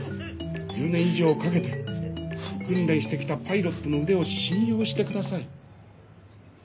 １０年以上かけて訓練してきたパイロットの腕を信用してください。